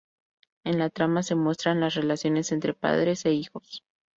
En la trama se muestran las relaciones entre padres e hijos.